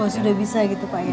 sudah bisa gitu pak ya